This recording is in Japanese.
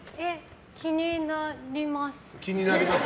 気になります。